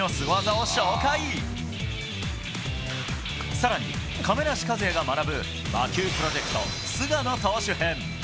更に亀梨和也が学ぶ魔球プロジェクト菅野投手編。